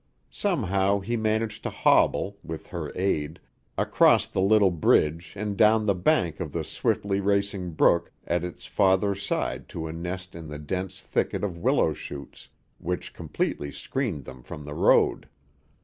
Somehow he managed to hobble, with her aid, across the little bridge and down the bank of the swiftly racing brook at its farther side to a nest in the dense thicket of willow shoots which completely screened them from the road.